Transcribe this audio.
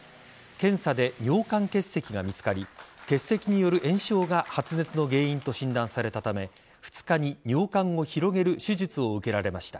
検査で尿管結石が見つかり結石による炎症が発熱の原因と診断されたため２日に尿管を広げる手術を受けられました。